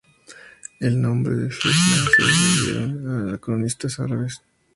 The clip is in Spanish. El nombre de "fitna" se lo dieron los cronistas árabes.